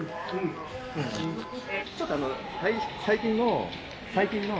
ちょっと最近の。